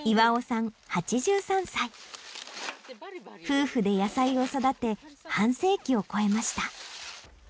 夫婦で野菜を育て半世紀を超えました。